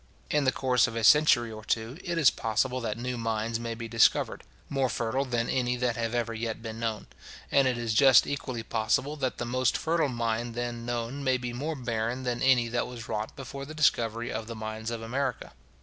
In the course of a century or two, it is possible that new mines may be discovered, more fertile than any that have ever yet been known; and it is just equally possible, that the most fertile mine then known may be more barren than any that was wrought before the discovery of the mines of America.